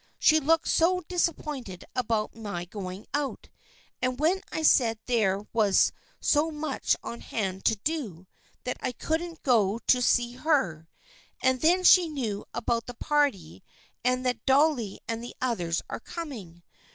She looked so disap pointed about my going out, and when I said there was so much on hand to do that I couldn't go to see her. And then she knew about the party and that Dolly and the others are coming.